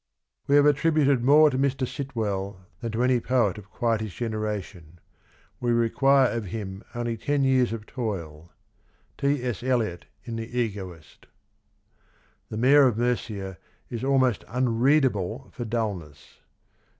" We have attributed more to Mr. Sitwell than to any poet of quite his generation. We require of him only ten years of toil." — T. S. Eliot in The Egoist. " The Mayor of Murcia is almost unreadable for dullness."